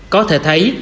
có thể thấy